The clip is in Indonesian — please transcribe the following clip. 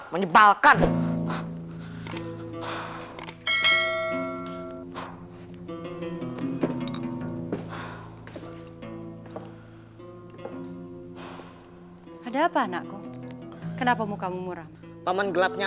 kenapa kamu anda mendengarkan pada waktu katanya